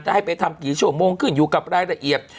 ให้ไปทำกี่ชั่วโมงขึ้นอยู่กับรายละเอียด